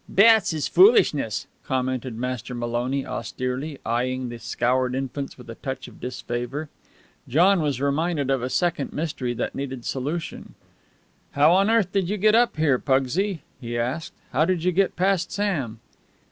"Baths is foolishness," commented Master Maloney austerely, eying the scoured infants with a touch of disfavor. John was reminded of a second mystery that needed solution. "How on earth did you get up here, Pugsy?" he asked. "How did you get past Sam?"